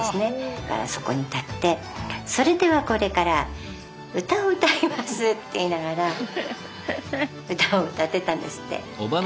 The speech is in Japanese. だからそこに立って「それではこれから歌を歌います」って言いながら歌を歌ってたんですって。